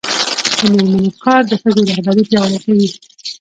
د میرمنو کار د ښځو رهبري پیاوړې کوي.